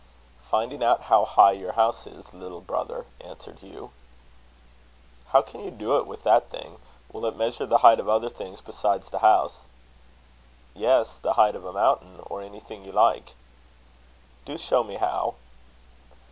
"Finding out how high your house is, little brother," answered Hugh. "How can you do it with that thing? Will it measure the height of other things besides the house?" "Yes, the height of a mountain, or anything you like." "Do show me how."